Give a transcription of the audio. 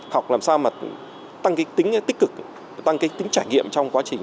học làm sao mà tăng tính tích cực tăng tính trải nghiệm trong quá trình